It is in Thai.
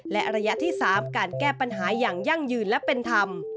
และระยะที่๓การแก้ปัญหาอย่างยั่งยืนและเป็นธรรม